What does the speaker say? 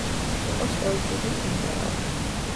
იყო სტოიციზმის მიმდევარი.